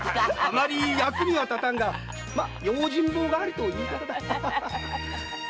あまり役には立たんがまあ用心棒代わりということだ。